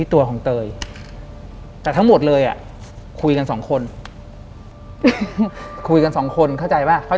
หลังจากนั้นเราไม่ได้คุยกันนะคะเดินเข้าบ้านอืม